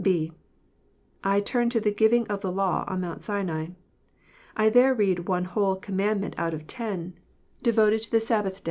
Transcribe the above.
* (b) I turn to the giving of the Law on Mount Sinai. I there read one whole commandment out of ten devoted to the Sab * "The text (Gen. ii.